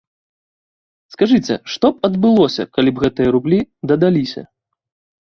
Скажыце, што б адбылося, калі б гэтыя рублі дадаліся?